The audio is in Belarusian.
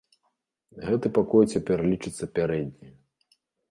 Гэты пакой цяпер лічыцца пярэдняю.